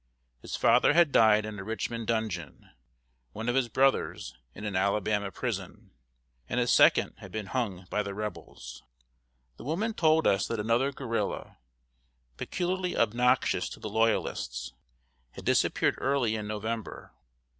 His father had died in a Richmond dungeon, one of his brothers in an Alabama prison, and a second had been hung by the Rebels. The woman told us that another guerrilla, peculiarly obnoxious to the Loyalists, had disappeared early in November.